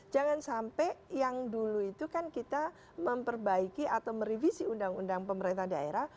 jangan sampai yang dulu itu kan kita memperbaiki atau merevisi undang undang pemerintah daerah